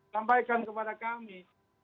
sampaikan kepada kami